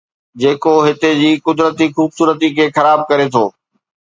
جيڪو هتي جي قدرتي خوبصورتي کي خراب ڪري ٿو